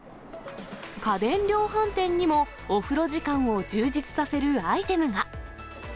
家電量販店にもお風呂時間を充実させるアイテムが。